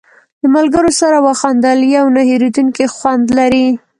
د ملګرو سره وخندل یو نه هېرېدونکی خوند لري.